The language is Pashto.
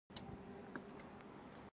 • اور د اوسپنې د نرمولو لپاره کارول کېده.